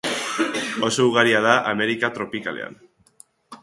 Oso ugaria da Amerika tropikalean.